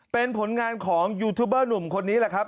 เป็นผลงานของยูทูบเบอร์หนุ่มคนนี้แหละครับ